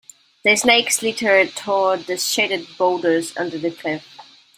The snake slithered toward the shaded boulders under the cliff.